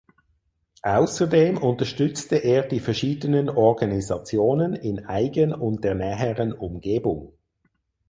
Außerdem unterstützte er die verschiedenen Organisationen in Aigen und der näheren Umgebung.